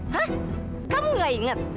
hah kamu nggak inget